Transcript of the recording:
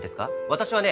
私はね